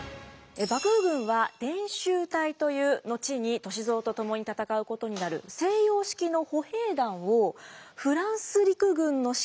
幕府軍は伝習隊という後に歳三と共に戦うことになる西洋式の歩兵団をフランス陸軍の指揮で編制しました。